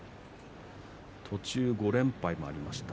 途中５連敗もありました。